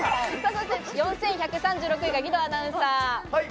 ４１３６位が義堂アナウンサー。